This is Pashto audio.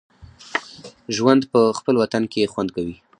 ژوند په خپل وطن کې خوند کوي